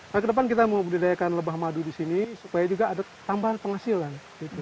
nah ke depan kita mau budidayakan lebah madu di sini supaya juga ada tambahan penghasilan